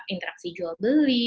interaksi jual beli